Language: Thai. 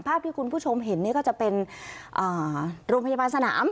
ภาพที่คุณผู้ชมเห็นก็จะเป็นโรงพยาบาลสนาม